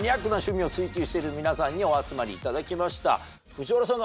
藤原さん